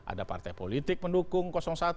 ada partai politik mendukung satu